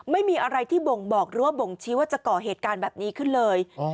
ไม่มีอะไรที่บ่งบอกหรือว่าบ่งชี้ว่าจะก่อเหตุการณ์แบบนี้ขึ้นเลย